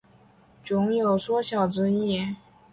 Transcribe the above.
酉有缩小之意。